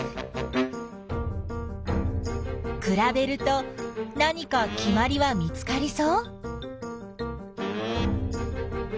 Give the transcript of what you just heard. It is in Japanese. くらべると何かきまりは見つかりそう？